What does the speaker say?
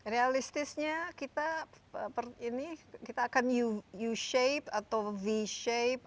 realistisnya kita akan u shape atau v shape atau a shape